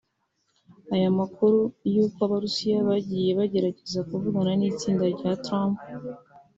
Aya makuru y’uko Abarusiya bagiye bagerageza kuvugana n’itsinda rya Trump